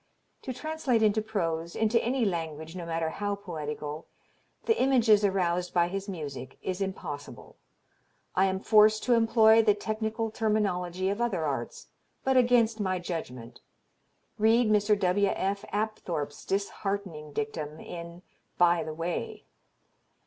To translate into prose, into any language no matter how poetical, the images aroused by his music, is impossible. I am forced to employ the technical terminology of other arts, but against my judgment. Read Mr. W. F. Apthorp's disheartening dictum in "By the Way."